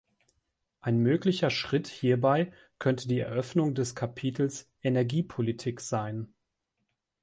Ein möglicher Schritt hierbei könnte die Eröffnung des Kapitels "Energiepolitik" sein.